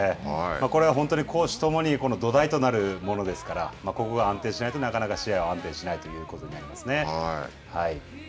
これは本当に攻守ともに土台となるものですからここが安定しないとなかなか試合は安定しないということになりますね。